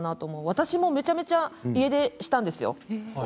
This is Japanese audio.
私もめちゃめちゃ家出したんですよ